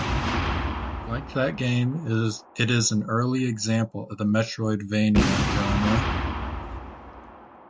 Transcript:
Like that game, it is an early example of the Metroidvania genre.